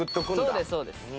そうですそうです。